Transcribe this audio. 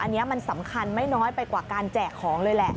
อันนี้มันสำคัญไม่น้อยไปกว่าการแจกของเลยแหละ